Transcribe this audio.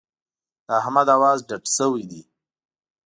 د احمد اواز ډډ شوی دی.